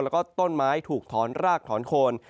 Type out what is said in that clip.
แล้วก็ต้นไม้ถูกถอนรากถอนโคน